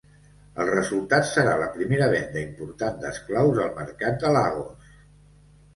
El resultat serà la primera venda important d'esclaus al mercat de Lagos.